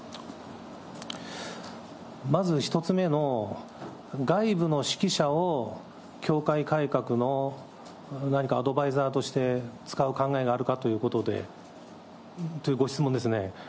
まず１つ目の、外部の識者を教会改革の何かアドバイザーとして使う考えがあるかということで、というご質問ですね。